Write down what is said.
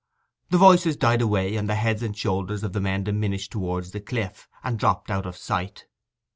The voices died away, and the heads and shoulders of the men diminished towards the cliff, and dropped out of sight.